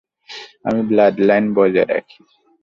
আমি ব্লাডলাইন বজায় রাখি।